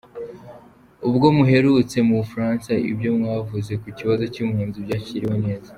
Ubwo muherutse mu Bufaransa, ibyo mwavuze ku kibazo cy’impunzi byakiriwe neza.